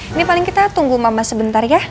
ini paling kita tunggu mama sebentar ya